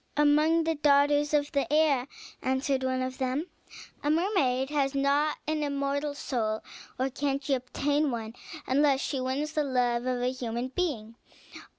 "Among the daughters of the air," answered one of them. "A mermaid has not an immortal soul, nor can she obtain one unless she wins the love of a human being.